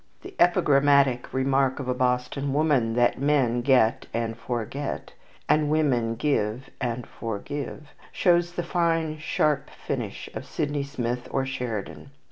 The epigrammatic remark of a Boston woman that men get and forget, and women give and forgive, shows the fine, sharp finish of Sydney Smith or Sheridan.